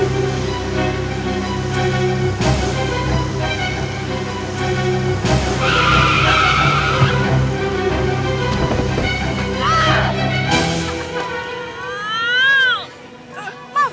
udin terakhir sekarang ngabrak